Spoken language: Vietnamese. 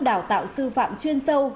đào tạo sư phạm chuyên sâu